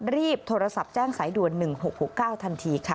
รีบโทรศัพท์แจ้งสายด่วน๑๖๖๙ทันทีค่ะ